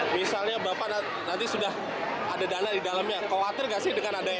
misalnya bapak nanti sudah ada dana di dalamnya khawatir nggak sih dengan adanya